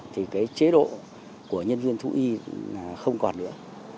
thì cái chế độ của nhân viên thú y là không còn nữa